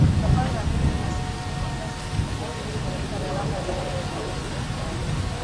Safari za ndege zitasitishwa kuanzia Septemba mosi ili kuepuka gharama zaidi za operesheni